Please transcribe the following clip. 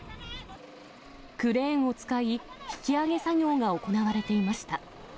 クレーンを使い、引き上げ作業が行われていました。